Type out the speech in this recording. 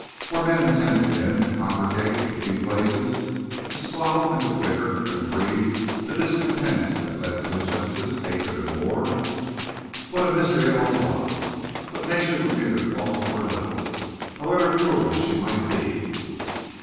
Were men intended, then, to congregate in few places, to squabble and to bicker and breed the discontents that led to injustice, hatred, and war? What a mystery it all was! But Nature was neither false nor little, however cruel she might be.